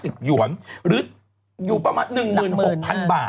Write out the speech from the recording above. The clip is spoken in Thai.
คุณหมอโดนกระช่าคุณหมอโดนกระช่า